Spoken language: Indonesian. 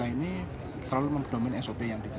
ini selalu memperdomain sop yang ditentukan